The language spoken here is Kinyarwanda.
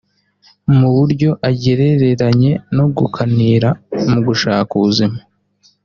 mu buryo agerereranye no ’gukanira’ mu gushaka ubuzima